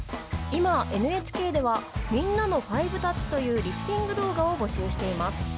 今、ＮＨＫではみんなの５タッチというリフティング動画を募集しています。